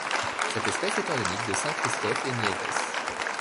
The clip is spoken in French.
Cette espèce est endémique de Saint-Christophe-et-Niévès.